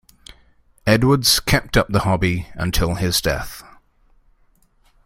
Edwards kept up the hobby until his death.